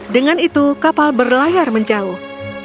dengan itu kapal berlayar menjauh